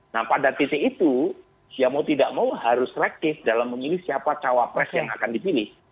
nah pada titik itu ya mau tidak mau harus selektif dalam memilih siapa cawapres yang akan dipilih